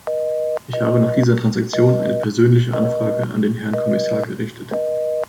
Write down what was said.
Ich habe nach dieser Transaktion eine persönliche Anfrage an den Herrn Kommissar gerichtet.